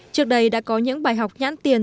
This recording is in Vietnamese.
trước đây đã có những bài học nhãn tiền